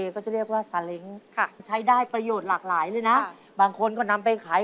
ของไม่อะไรห่วงค้อนนี่